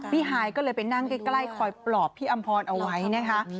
ฮายก็เลยไปนั่งใกล้คอยปลอบพี่อำพรเอาไว้นะคะ